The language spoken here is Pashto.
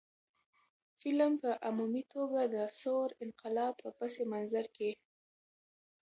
فلم په عمومي توګه د ثور انقلاب په پس منظر کښې